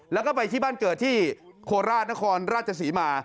แล้วก็ไปที่บ้านเกิดที่โคราชนครราชศรีมา